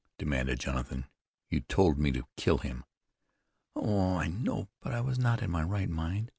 demanded Jonathan. "You told me to kill him." "Oh, I know. But I was not in my right mind.